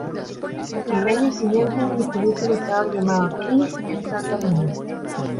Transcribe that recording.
Al año siguiente, un misterioso luchador llamado King entra al torneo.